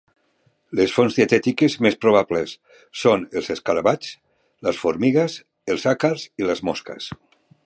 Les fonts dietètiques més probables són els escarabats, les formigues, els àcars i les mosques.